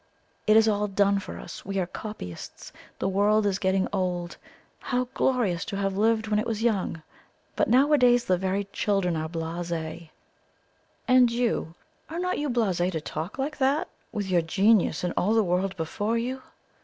It is all done for us; we are copyists. The world is getting old how glorious to have lived when it was young! But nowadays the very children are blase." "And you are not you blase to talk like that, with your genius and all the world before you?"